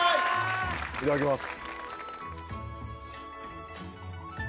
いただきます。